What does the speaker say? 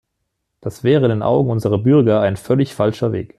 Das wäre in den Augen unserer Bürger ein völlig falscher Weg.